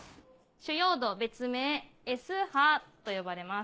主要動別名Ｓ波と呼ばれます